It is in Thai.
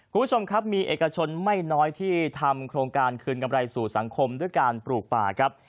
คุณผู้ชมครับมีเอกชนไม่น้อยที่ทำโครงการคืนกำไรสู่สังคมด้วยการปลูกป่าครับ